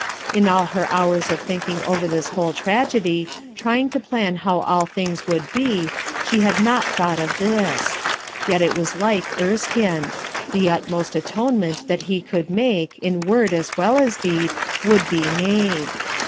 In all her hours of thinking over this whole tragedy,, try ing to plan how all things would be, she had cot thought of this. • Yet it was like Erskine; the RENUNCIATION 381 utmost atonement that he could make, hword as well as deed, would be made.